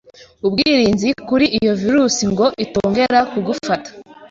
ubwirinzi kuri iyo virus ngo itongera kugufata.